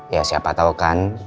ya siapa tau kan